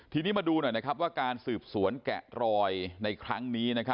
ทีนี้มาดูหน่อยว่าการสืบสวนแกะรอยในครั้งนี้